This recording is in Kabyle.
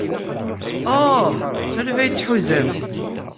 Ah, qrib ay tt-tḥuzamt.